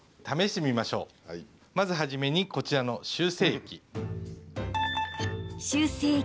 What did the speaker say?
まず初めにこちらの修正液。